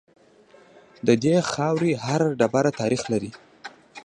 د دې خاورې هر ډبره تاریخ لري